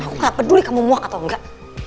aku gak peduli kamu muak atau enggak